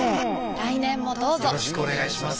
来年もどうぞよろしくお願いします。